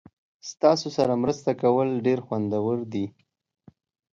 ستاسو سره مرسته کول ډیر خوندور دي.